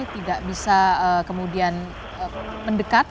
tidak bisa kemudian mendekat